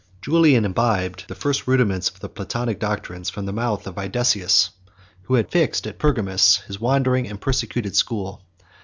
23 Julian imbibed the first rudiments of the Platonic doctrines from the mouth of Ædesius, who had fixed at Pergamus his wandering and persecuted school.